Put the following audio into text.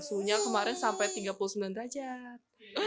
suhunya kemarin sampai tiga puluh sembilan derajat